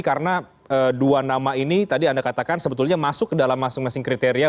karena dua nama ini tadi anda katakan sebetulnya masuk ke dalam masing masing kriteria